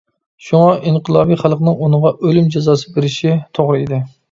شۇڭا، ئىنقىلابىي خەلقنىڭ ئۇنىڭغا ئۆلۈم جازاسى بېرىشى توغرا ئىدى.